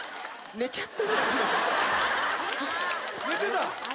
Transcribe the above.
寝てた？